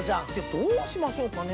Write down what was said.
どうしましょうかね。